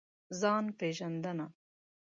ځان پېژندنه.